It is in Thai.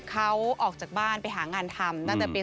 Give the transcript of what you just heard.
เขาออกจากบ้านไปหางานทำตั้งแต่ปี๒๕